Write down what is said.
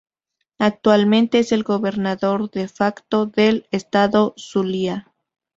Actualmente es el gobernador "de facto" del estado Zulia.